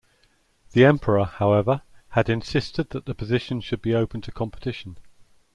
The emperor, however, had insisted that the position should be open to competition.